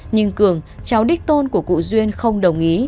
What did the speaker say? nhưng cường cháu đích tôn của cụ duyên không đồng ý